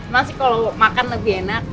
nasi kalau makan lebih enak